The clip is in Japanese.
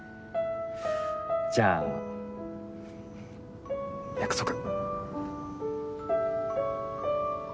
じゃあ約束。